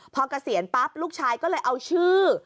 พอเกษียณปั๊บลูกชายก็เลยเอาชื่อ